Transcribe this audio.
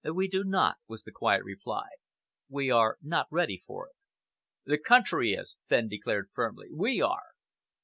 "We do not," was the quiet reply. "We are not ready for it." "The country is," Fenn declared firmly. "We are."